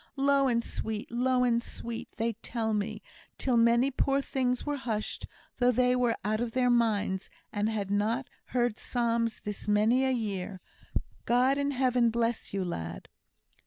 Low and sweet, low and sweet, they tell me till many poor things were hushed, though they were out of their minds, and had not heard psalms this many a year. God in heaven bless you, lad!"